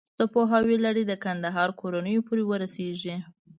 د پوهاوي لړۍ د کندهار کورنیو پورې ورسېږي.